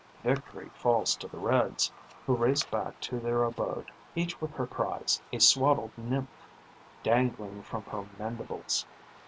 Victory falls to the reds, who race back to their abode, each with her prize, a swaddled nymph, dangling from her mandibles.